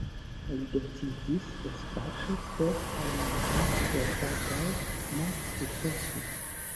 Li decidis eskapi sed la unuaj klopodoj malsukcesis.